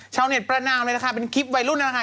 ชาวเน็ตประนามเลยนะคะเป็นคลิปวัยรุ่นนั่นแหละค่ะ